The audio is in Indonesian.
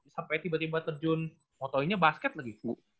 sampai tiba tiba terjun mau tau ini basket lagi